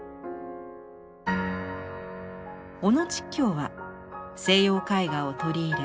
小野竹喬は西洋絵画を取り入れ